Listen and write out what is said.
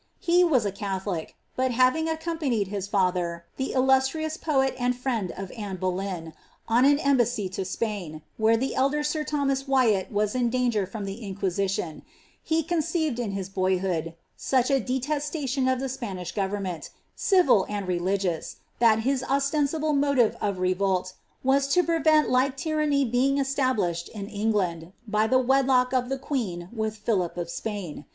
He was a Catholic,* but having accompanied his &ther (the illustrious poet and friend of Anae Boleyn) on an embassy to Spain, where the dder sir Thomas Wvitt was in danj^fer from the inquisition, he conceived, in his boyhood, foch a detestation of the Spanish government, civil and religious, thai his ostensible motive of revolt was to prevent like tyranny being establisheil in Enn^land, by the wedlock of the queen with Philip of Spain.